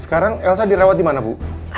sekarang elsa direwat dimana bu